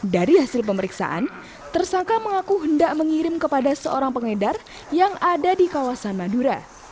dari hasil pemeriksaan tersangka mengaku hendak mengirim kepada seorang pengedar yang ada di kawasan madura